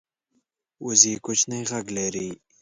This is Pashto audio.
وزې کوچنی غږ لري